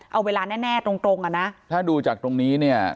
เอาเวลาแน่แน่ตรงตรงอ่ะนะถ้าดูจากตรงนี้เนี่ย